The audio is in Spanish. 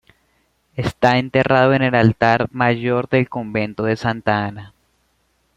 Está enterrado en el Altar Mayor del Convento de Santa Ana.